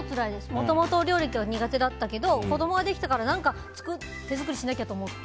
もともとお料理は苦手だったけど子供ができてから何か手作りしなきゃってなって。